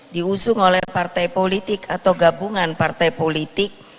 diusung oleh partai politik atau gabungan partai politik